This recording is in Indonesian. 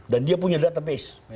dan dia punya database